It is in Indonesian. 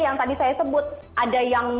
yang tadi saya sebut ada yang